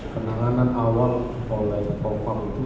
kenanganan awal oleh popam itu